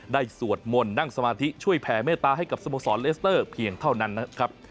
สวดมนต์นั่งสมาธิช่วยแผ่เมตตาให้กับสโมสรเลสเตอร์เพียงเท่านั้นนะครับ